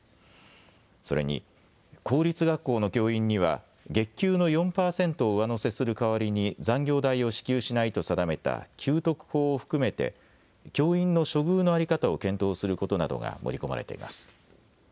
それに公立学校の教員には月給の４％を上乗せする代わりに残業代を支給しないと定めた給特法を含めて教員の処遇の在り方を検討することなどが盛り込まれています。